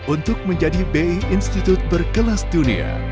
untuk menjadi b i institute berkelas dunia